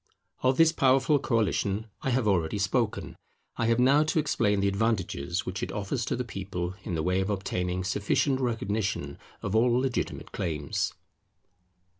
Of this powerful coalition I have already spoken. I have now to explain the advantages which it offers to the people in the way of obtaining sufficient recognition of all legitimate claims.